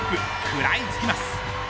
食らいつきます。